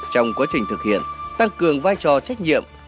trong quá trình thực hiện tăng cường vai trò trách nhiệm